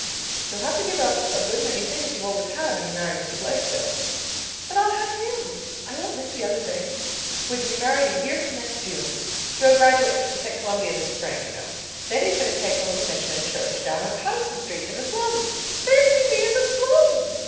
"You'll have to give up a good many things you've always had, when you marry Mr. Blake, Phil." "But I'll have him. I won't miss the other things. We're to be married a year from next June. Jo graduates from St. Columbia this spring, you know. Then he's going to take a little mission church down on Patterson Street in the slums. Fancy me in the slums!